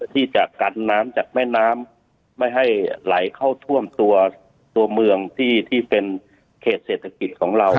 ที่จะกันน้ำจากแม่น้ำไม่ให้ไหลเข้าท่วมตัวเมืองที่เป็นเขตเศรษฐกิจของเรา